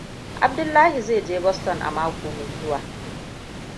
Abdullahi zai je Boston a mako mai zuwa.